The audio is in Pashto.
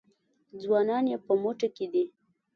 ځوانان یې په موټي کې دي.